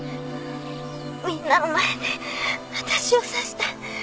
みんなの前で私を刺した。